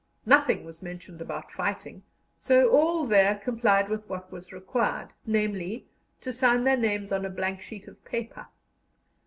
Nothing was mentioned about fighting, so all there complied with what was required namely, to sign their names on a blank sheet of paper.